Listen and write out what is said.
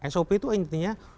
sop itu intinya